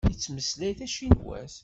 Yettmeslay tacinwat.